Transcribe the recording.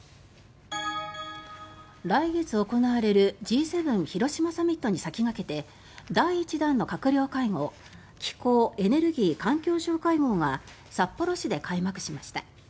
来月行われるＧ７広島サミットに先駆けて第１弾の閣僚会合気候・エネルギー・環境相会合が札幌市で開幕しました。